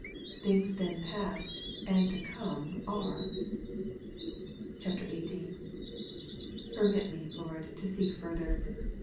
Things then past and to come are." [XVIII.] 23. Permit me. Lord, to seek further.